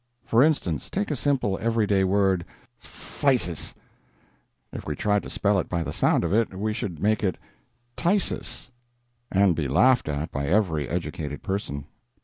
For instance, take a simple, every day word phthisis. If we tried to spell it by the sound of it, we should make it TYSIS, and be laughed at by every educated person.